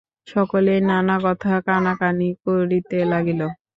সকলেই নানা কথা কানাকানি করিতে লাগিল।